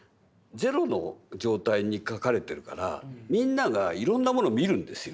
ゼロの状態に描かれてるからみんながいろんなものを見るんですよ。